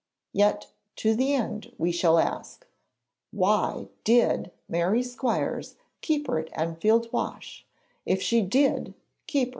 Yet to the end we shall ask, why did Mary Squires keep her at Enfield Wash if she did keep her?